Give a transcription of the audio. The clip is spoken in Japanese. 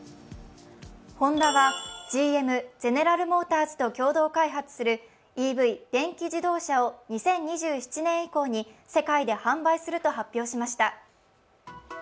ホンダはＧＭ＝ゼネラル・モーターズと共同開発するＥＶ＝電気自動車を２０２７年以降に世界で販売すると発表しました。